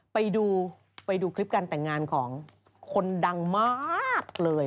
ไปดูไปดูคลิปการแต่งงานของคนดังมากเลย